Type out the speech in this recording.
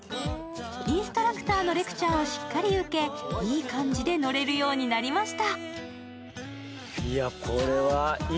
インストラクターのレクチャーをしっかり受け、いい感じで乗れるようになりました。